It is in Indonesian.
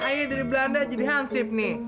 ini dari belanda jadi hansip nih